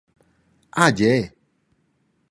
Ah gie!